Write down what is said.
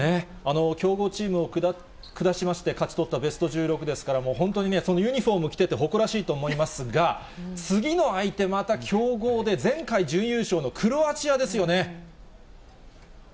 強豪チームを下しまして、勝ち取ったベスト１６ですから、もう本当に、そのユニホーム着てて誇らしいと思いますが、次の相手、また強豪で、前回準優勝のクロアチアですよね。